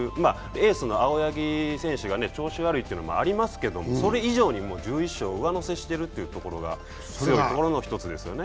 エースの青柳選手が調子が悪いというのもありますけれども、それ以上に１１勝上乗せしてるっていうのが強いところの一つですよね。